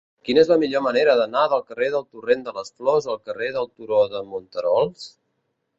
Quina és la millor manera d'anar del carrer del Torrent de les Flors al carrer del Turó de Monterols?